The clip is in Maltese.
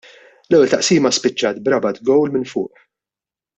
L-ewwel taqsima spiċċat b'Rabat gowl minn fuq.